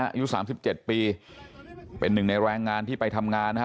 อายุสามสิบเจ็ดปีเป็นหนึ่งในแรงงานที่ไปทำงานนะฮะ